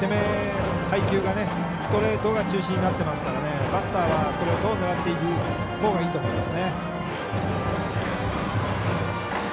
配球がストレートが中心になっていますからバッターはストレートを狙っていくほうがいいと思います。